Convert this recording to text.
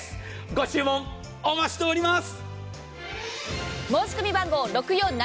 ご注文、お待ちしております。